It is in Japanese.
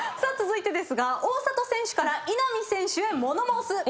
続いてですが大里選手から稲見選手へ物申す。